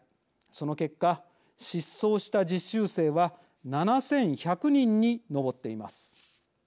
その結果失踪した実習生は７，１００人に上っています。